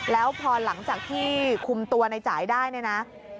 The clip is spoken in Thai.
แล้วพอหลังจากที่คุมตัวในจ่ายได้เนี่ยนะ